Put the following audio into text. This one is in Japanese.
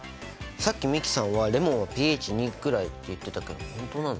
さっき美樹さんはレモンはｐＨ２ぐらいって言ってたけど本当なの？